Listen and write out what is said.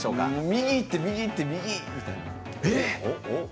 右行って右行って右みたいな？